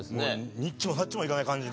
にっちもさっちもいかない感じ。